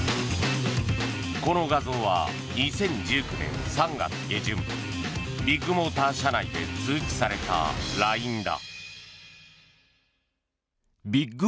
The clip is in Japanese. この画像は２０１９年３月下旬ビッグモーター社内で通知されたＬＩＮＥだ。